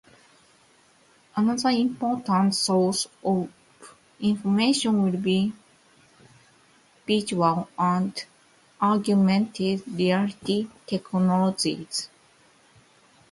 Another important source of information will be virtual and augmented reality technologies.